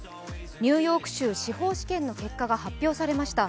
ニューヨーク州司法試験の結果が発表されました。